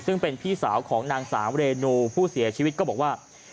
ซึ่งเป็นพี่สาวของนางสาวเรนูผู้เสียชีวิตก็บอกว่า